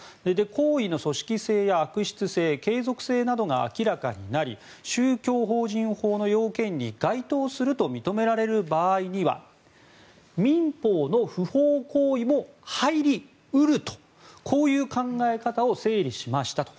行為の組織性や悪質性継続性などが明らかになり宗教法人法の要件に認められる場合には民法の不法行為も入り得るとこういう考え方を整理しましたと。